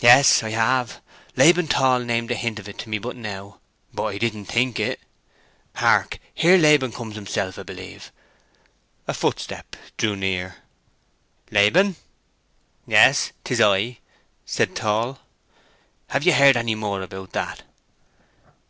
"Yes, I have. Laban Tall named a hint of it to me but now—but I don't think it. Hark, here Laban comes himself, 'a b'lieve." A footstep drew near. "Laban?" "Yes, 'tis I," said Tall. "Have ye heard any more about that?"